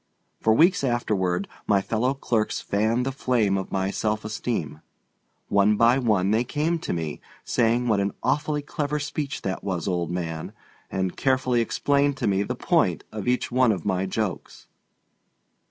For weeks afterward my fellow clerks fanned the flame of my self esteem. One by one they came to me, saying what an awfully clever speech that was, old man, and carefully explained to me the point of each one of my jokes.